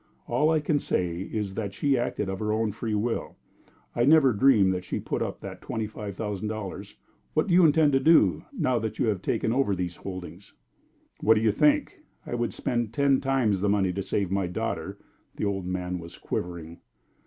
All I can say is that she acted of her own free will. I never dreamed she put up that twenty five thousand dollars. What do you intend to do, now that you have taken over these holdings?" "What do you think? I would spend ten times the money to save my daughter." The old man was quivering.